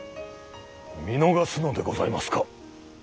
見逃すのでございますか？